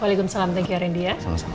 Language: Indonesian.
waalaikumsalam thank you randy ya